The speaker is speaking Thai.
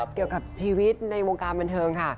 เกี่ยวกับชีวิตในวงการบันเทิงค่ะ